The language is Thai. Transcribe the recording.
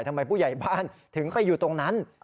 ทำไมผู้ใหญ่บ้านถึงไปอยู่ตรงนั้น